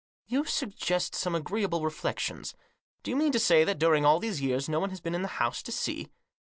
" You suggest some agreeable reflections. Do you mean to say that, during all these years, no one has been in the house to see